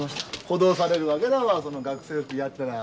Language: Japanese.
補導されるわけだわその学生服やったら。